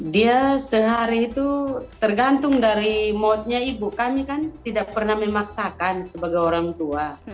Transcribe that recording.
dia sehari itu tergantung dari motnya ibu kami kan tidak pernah memaksakan sebagai orang tua